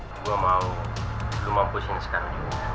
gua mau lu mampusin sekarang juga